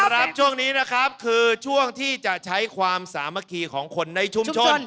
ครับช่วงนี้นะครับคือช่วงที่จะใช้ความสามัคคีของคนในชุมชน